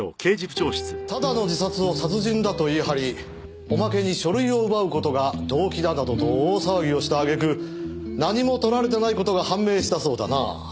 ただの自殺を殺人だと言い張りおまけに書類を奪う事が動機だなどと大騒ぎをした揚げ句何も盗られてない事が判明したそうだな。